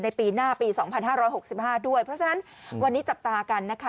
ปีหน้าปี๒๕๖๕ด้วยเพราะฉะนั้นวันนี้จับตากันนะคะ